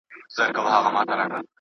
کله چې همدردي موجوده وي، درد کمېږي.